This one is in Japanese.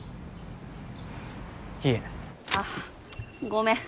いえあっごめん